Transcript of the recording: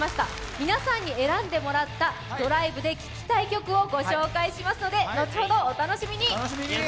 皆さんに選んでもらったドライブで聴きたい曲をご紹介しますので後ほどお楽しみに。